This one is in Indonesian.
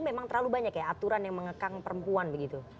memang terlalu banyak ya aturan yang mengekang perempuan begitu